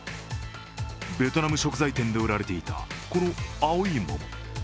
ベトナム食材店で売られていた、この青い桃。